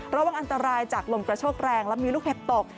ระวังอันตรายจากลมกระโชกแรงและมีลูกเห็บตก